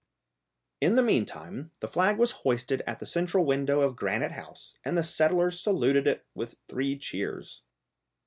In the meantime, the flag was hoisted at the central window of Granite House, and the settlers saluted it with three cheers.